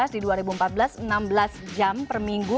di dua ribu empat belas enam belas jam per minggu